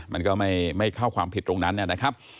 มันก็ไม่เข้าความผิดตรงนั้นนะครับ